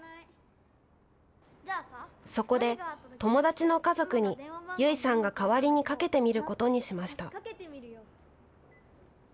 そこで友達の家族に結衣さんが代わりにかけてみることにしました。